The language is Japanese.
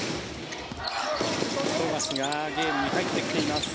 富樫がゲームに入ってきています。